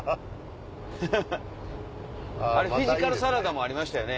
フィジカルサラダもありましたよね。